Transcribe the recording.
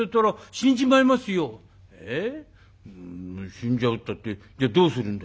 死んじゃうったってじゃあどうするんだ？」。